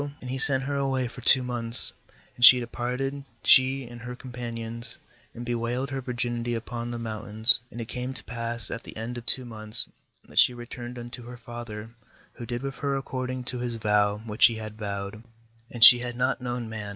And he sent her away for two months; and she departed, she and her com panions, and bewailed her virginity upon the mountains. 39And it came to pass at the end of two months, , that she returned unto her father, who did with her according to his vow which he had vowed; and she had not known man.